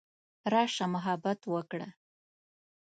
راشه محبت وکړه.